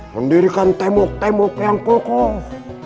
mendirikan tembok tembok yang kokoh